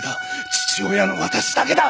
父親の私だけだ！